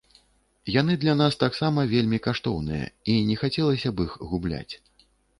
Яны для нас таксама вельмі каштоўныя і не хацелася б іх губляць.